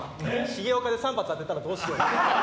重岡で３発当てたらどうしようと。